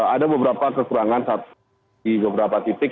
ada beberapa kekurangan di beberapa titik